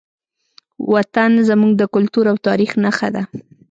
وطن زموږ د کلتور او تاریخ نښه ده.